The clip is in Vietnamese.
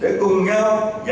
sẽ cùng nhau giải quyết